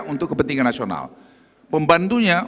untuk kepentingan nasional pembantunya